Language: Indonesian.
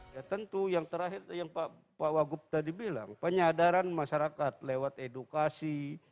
ya tentu yang terakhir yang pak wagub tadi bilang penyadaran masyarakat lewat edukasi